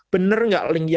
bener nggak link nya